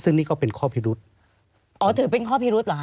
ซึ่งนี่ก็เป็นข้อพิรุษอ๋อถือเป็นข้อพิรุธเหรอฮ